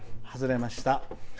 「外れました。